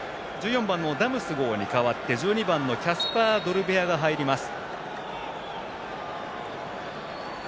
１４番のダムスゴーに代わって１２番のキャスパー・ドルベアが入ります。